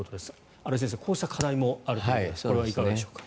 新井先生、こうした課題もあるということですがこれはいかがでしょうか？